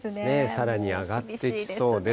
さらに上がっていきそうです。